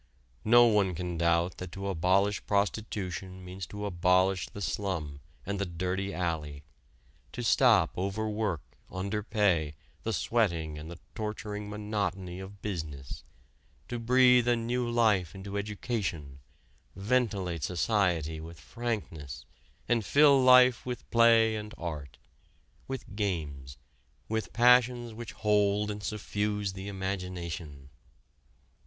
No one can doubt that to abolish prostitution means to abolish the slum and the dirty alley, to stop overwork, underpay, the sweating and the torturing monotony of business, to breathe a new life into education, ventilate society with frankness, and fill life with play and art, with games, with passions which hold and suffuse the imagination.